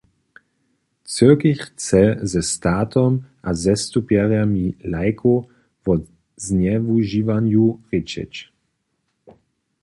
Cyrkej chce ze statom a zastupjerjemi lajkow wo znjewužiwanju rěčeć.